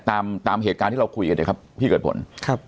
ตามตามเหตุการณ์ที่เราคุยกันนะครับพี่เกิดผลครับ